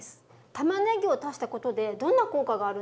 たまねぎを足したことでどんな効果があるんですか？